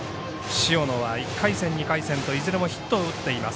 塩野は１回戦、２回戦といずれもヒットを打っています。